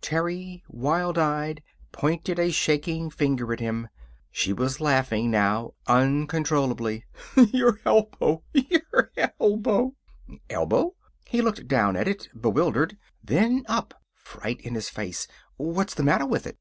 Terry, wild eyed, pointed a shaking finger at him. She was laughing, now, uncontrollably. "Your elbow! Your elbow!" "Elbow?" He looked down at it, bewildered, then up, fright in his face. "What's the matter with it?"